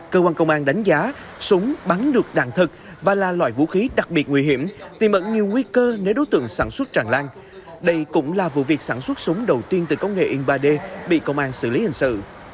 cơ quan công an đánh giá súng bắn được đạn thật và là loại vũ khí đặc biệt nguy hiểm tìm ẩn nhiều nguy cơ nếu đối tượng sản xuất tràn lan đây cũng là vụ việc sản xuất súng đầu tiên từ công nghệ in ba d bị công an xử lý hình sự